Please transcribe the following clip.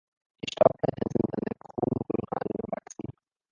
Die Staubblätter sind an der Kronröhre angewachsen.